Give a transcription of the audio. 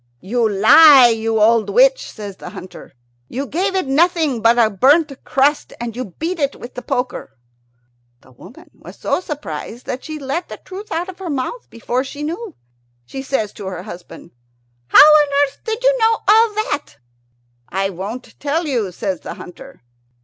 "You lie, you old witch," says the hunter; "you gave it nothing but a burnt crust, and you beat it with the poker." The old woman was so surprised that she let the truth out of her mouth before she knew. She says to her husband, "How on earth did you know all that?" "I won't tell you," says the hunter.